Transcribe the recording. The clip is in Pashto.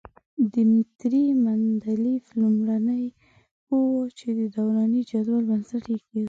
دیمتري مندلیف لومړنی پوه وو چې د دوراني جدول بنسټ یې کېښود.